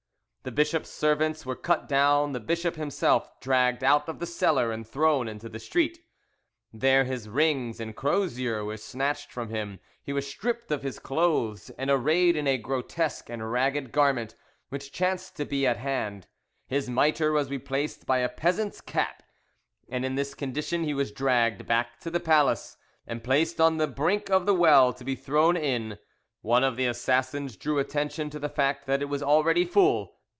The bishop's servants were cut down, the bishop himself dragged out of the cellar and thrown into the street. There his rings and crozier were snatched from him; he was stripped of his clothes and arrayed in a grotesque and ragged garment which chanced to be at hand; his mitre was replaced by a peasant's cap; and in this condition he was dragged back to the palace and placed on the brink of the well to be thrown in. One of the assassins drew attention to the fact that it was already full.